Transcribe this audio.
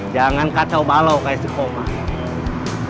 jangan kacau balau kasih komar